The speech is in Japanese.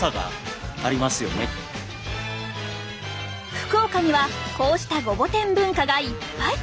福岡にはこうしたごぼ天文化がいっぱい。